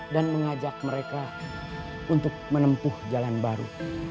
dan mengajak mereka untuk menempuh jalan baru